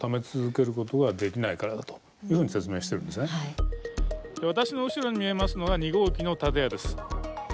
ひと言で言えば私の後ろに見えますのが２号機の建屋です。